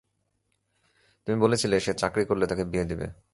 তুমি বলেছিলে সে চাকরি করলে তাকে বিয়ে দিবে।